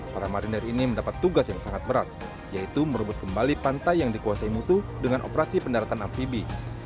para marinir ini mendapat tugas yang sangat berat yaitu merebut kembali pantai yang dikuasai musuh dengan operasi pendaratan amfibi